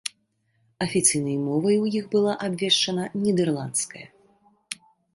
Афіцыйнай мовай у іх была абвешчана нідэрландская.